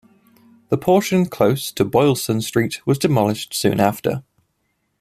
The portion closer to Boylston Street was demolished soon after.